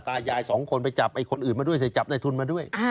ตายายสองคนไปจับไอ้คนอื่นมาด้วยใส่จับในทุนมาด้วย